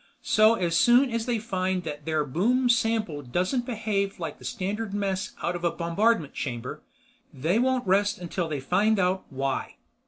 So as soon as they find that their boom sample doesn't behave like the standard mess out of a bombardment chamber, they won't rest until they find out why.